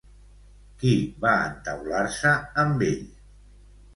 Qui va entaular-se amb ell?